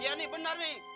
iya nih benar nih